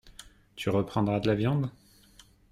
Tu reprendras de la viande ?